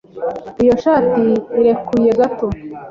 Iyi shati irekuye gato.